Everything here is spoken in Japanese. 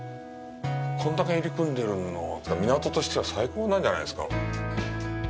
これだけ入り組んでるのは港としては最高なんじゃないですか。